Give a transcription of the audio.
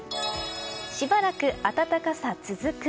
しばらく暖かさ続く。